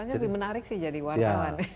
jadi menarik jadi wartawan